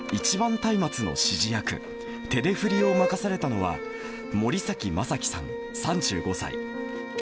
松明の指示役、手々振を任されたのは、森崎巨樹さん３５歳。